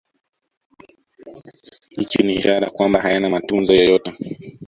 Ikiwa ni ishara kwamba hayana matunzo yoyote